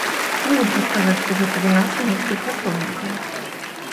Нельга сказаць, што гэта віна саміх супрацоўнікаў.